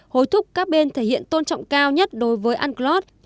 hối thúc các bên thể hiện tôn trọng cao nhất đối với unclos